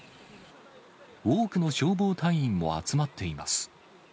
多くの消防隊員も集まっています。